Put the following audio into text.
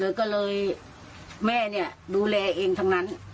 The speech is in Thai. ก็เลยแม่เนี่ยดูแลเองทั้งนั้น